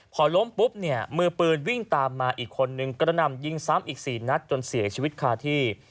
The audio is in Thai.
พอล้มปุ๊บเนี่ยมือปืนวิ่งตามมาอีกคนนึงกระหน่ำยิงซ้ำอีก๔นัดจนเสียชีวิตคาที่